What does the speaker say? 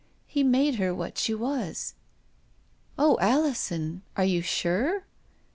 He made her what she was." " O Alison, are you &wre ?